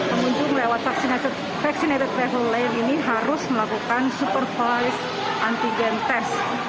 pengunjung lewat vaccinated travel lane ini harus melakukan supervise antigen tes